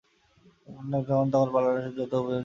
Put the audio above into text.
এ ঘটনা যখন ঘটে, তখন পার্লামেন্টের যৌথ অধিবেশন চলছিল।